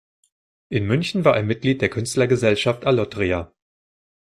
In München war er Mitglied der Künstlergesellschaft Allotria.